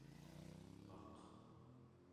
an'garaq